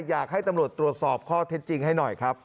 อยากให้ตำรวจตรวจสอบข้อเท็จจริงให้หน่อยครับ